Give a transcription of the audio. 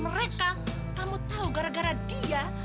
mereka kamu tahu gara gara dia